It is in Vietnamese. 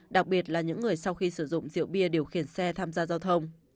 đặc biệt là những người sau khi sử dụng rượu bia điều khiển xe tham gia giao thông